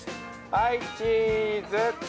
◆はい、チーズ。